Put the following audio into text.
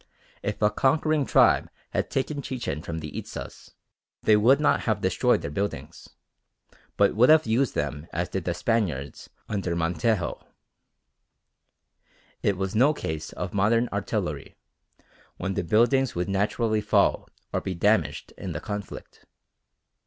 If a conquering tribe had taken Chichen from the Itzas they would not have destroyed their buildings, but would have used them as did the Spaniards under Montejo. It was no case of modern artillery, when the buildings would naturally fall or be damaged in the conflict.